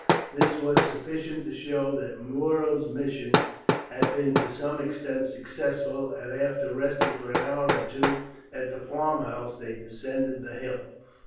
This was sufficient to show that Muro's mission had been to some extent successful, and after resting for an hour or two at the farmhouse they descended the hill.